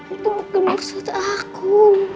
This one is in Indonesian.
itu bukan maksud aku